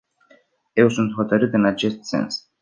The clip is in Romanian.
Eu sunt hotărât în acest sens.